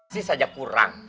sisa aja kurang